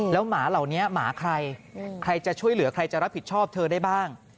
แล้วหมาเหล่านี้หมาใครใครจะช่วยเหลือใครจะรับผิดชอบเธอได้บ้าง